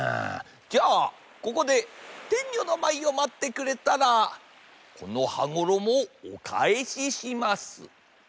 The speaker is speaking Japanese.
じゃあここでてんにょのまいをまってくれたらこの羽衣をおかえしします。